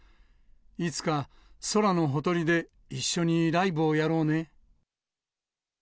いつか空のほとりで、一緒にライブをやろうね。